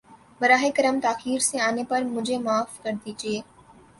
براہ کرم تاخیر سے آنے پر مجھے معاف کر دیجۓ